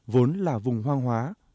vốn là vùng hoang hóa